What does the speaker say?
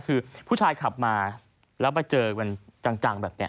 คือผู้ชายขับมาแล้วมาเจอกันจังแบบนี้